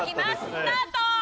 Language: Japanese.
スタート！